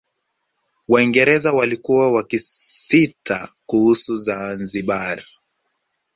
Waingereza walikuwa wakisita kuhusu Zanzibar